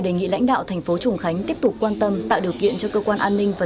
đề nghị lãnh đạo thành phố trùng khánh tiếp tục quan tâm tạo điều kiện cho cơ quan an ninh và